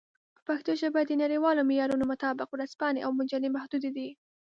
په پښتو ژبه د نړیوالو معیارونو مطابق ورځپاڼې او مجلې محدودې دي.